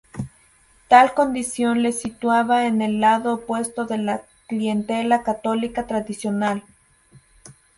Tal condición le situaba en el lado opuesto de la clientela católica tradicional.